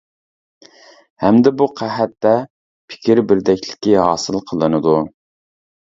ھەمدە بۇ قەھەتتە پىكىر بىردەكلىكى ھاسىل قىلىنىدۇ.